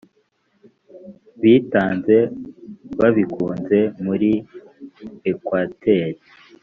bitanze babikunze muri ekwateri